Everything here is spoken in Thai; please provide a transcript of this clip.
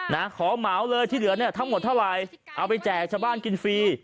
นะขอเหมาเลยที่เหลือเนี่ยทั้งหมดเท่าไหร่เอาไปแจกชาวบ้านกินฟรี